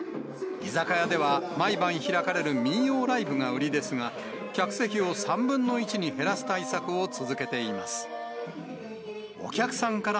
居酒屋では、毎晩開かれる民謡ライブが売りですが、客席を３分の１に減らす対策を続けています。